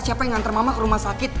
siapa yang nganter mama ke rumah sakit